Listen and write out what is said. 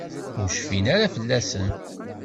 Ur cfin ara fell-asen.